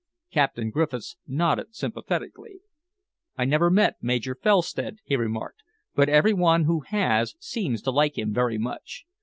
Captain Griffiths nodded sympathetically. "I never met Major Felstead," he remarked, "but every one who has seems to like him very much.